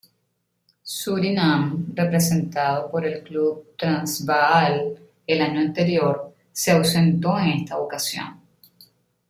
Surinam, representado por el club Transvaal el año anterior, se ausentó en esta ocasión.